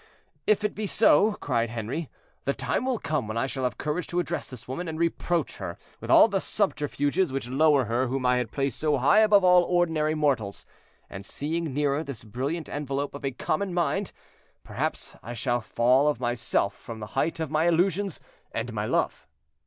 "If it be so," cried Henri, "the time will come when I shall have courage to address this woman and reproach her with all the subterfuges which lower her whom I had placed so high above all ordinary mortals; and seeing nearer this brilliant envelope of a common mind, perhaps I shall fall of myself from the height of my illusions and my love."